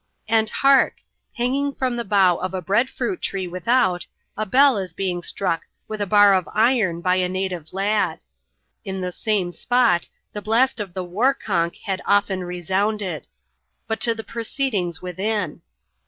And hark! Iianging from the bough of a bread fruit tree without, a bell is being struck with a bar of iron by a native lad. In the same spot, the blast of the war conch had often resounded. But to the proceedings within.